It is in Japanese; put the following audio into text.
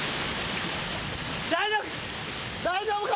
大丈夫か？